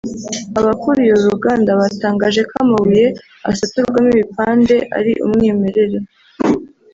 Abakuriye uru ruganda batangaje ko amabuye asaturwa mo ibipande ari umwimerere